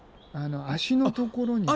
足のところにも。